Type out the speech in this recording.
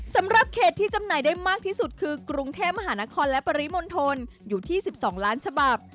สำหรับเขตที่จำหน่ายได้มากที่สุดคือกรุงเทพมหานครและปริมณฑลอยู่ที่๑๒ล้านฉบับ